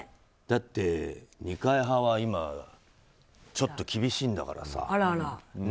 だって二階派は今、ちょっと厳しいんだから。